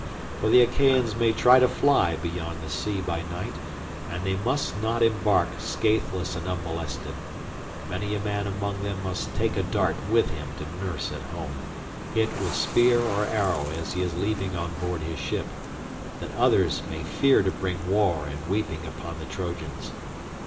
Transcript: For the Achaeans may try to fly beyond the sea by night, and they must not embark scatheless and unmolested; many a man among them must take a dart with him to nurse at home, hit with spear or arrow as he is leaping on board his ship, that others may fear to bring war and weeping upon the Trojans.